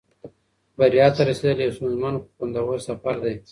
بریا ته رسېدل یو ستونزمن خو خوندور سفر دی.